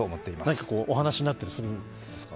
何かお話しになったりするんですか？